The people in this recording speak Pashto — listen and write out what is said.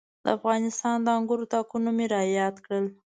د افغانستان د انګورو تاکونه مې را یاد کړل.